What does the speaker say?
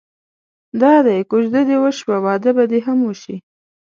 دادی کوژده دې وشوه واده به دې هم وشي.